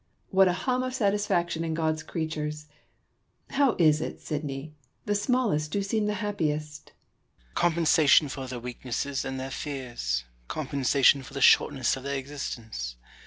What a hum of satisfaction in God's creatures ! How is it, Sidney, the smallest do seem the happiest *? Sidney. Compensation for their weaknesses and their fears ; compensation for the shortness of their existence.